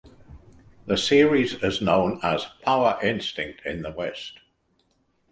The series is known as "Power Instinct" in the West.